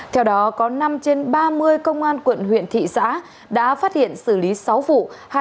theo đó có năm trên ba mươi công an quận huyện thị xã đã phát hiện xử lý sáu vụ